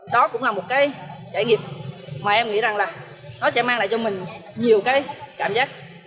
đó cũng là một cái trải nghiệm mà em nghĩ rằng là nó sẽ mang lại cho mình nhiều cái cảm giác